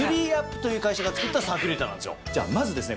じゃあまずですね